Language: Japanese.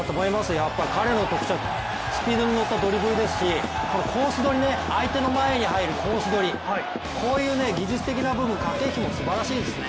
やっぱ彼の特徴はスピードに乗ったドリブルですしコース取りね、相手の前に入るコース取り、こういう技術的な部分、駆け引きも素晴らしいですね。